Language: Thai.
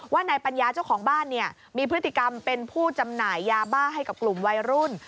ว่านายปัญญาเจ้าของบ้านเนี่ยมีพฤติกรรมเป็นผู้จำหน่ายยาบ้าให้กับกลุ่มวัยรุ่น